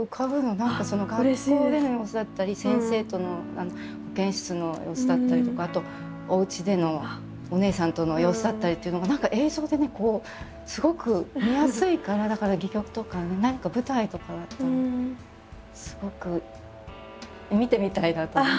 何かその学校での様子だったり先生との保健室の様子だったりとかあとおうちでのお姉さんとの様子だったりっていうのが何か映像でねこうすごく見やすいからだから戯曲とかね何か舞台とかだったらすごく見てみたいなと思う。